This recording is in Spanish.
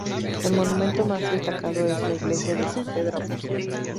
El monumento más destacado es la iglesia de San Pedro Apóstol.